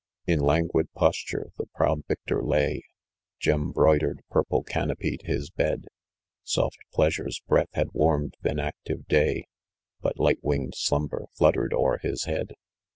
In languid posture the proud victor lay, Gem broidered purple canopied his bed, Soft Pleasure's breath had warmed th' inactive day, But light winged slumber fluttered o'er his head.